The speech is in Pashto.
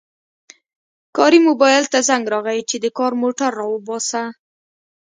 کاري موبایل ته زنګ راغی چې د کار موټر راوباسه